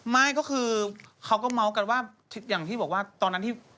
ไม่ก็คือเขาก็เมาส์กันว่าอย่างที่บอกว่าตอนนั้นที่